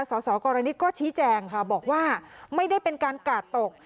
สสกรณิตก็ชี้แจงค่ะบอกว่าไม่ได้เป็นการกาดตก